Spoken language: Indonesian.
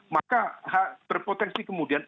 maka terpotensi kemudian